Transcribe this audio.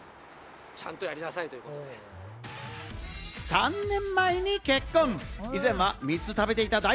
３年前に結婚。